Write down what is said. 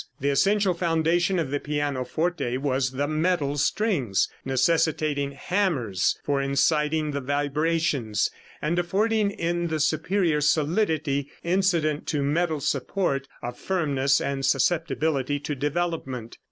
The essential foundation of the pianoforte was the metal strings, necessitating hammers for inciting the vibrations, and affording in the superior solidity incident to metal support a firmness and susceptibility to development.